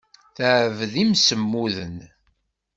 Teɛbed imsemmuden.